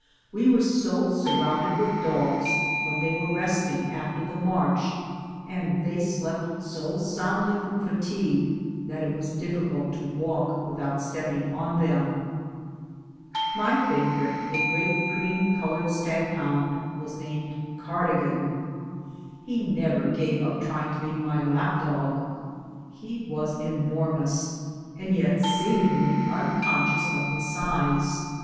We were so surrounded with dogs when they were resting after the march, and they slept so soundl}^ from fatigue, that it was difficult to walk about without stepping on them. My favorite, a great cream colored stag hound, was 3* 58 BOOTS AND SADDLES. named " Cardigan." He never gave np trying to be my lap dog. He was enormous, and yet seemingly un conscious of his size.